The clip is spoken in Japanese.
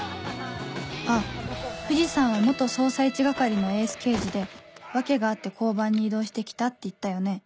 あっ藤さんは捜査一係のエース刑事で訳があって交番に異動して来たって言ったよね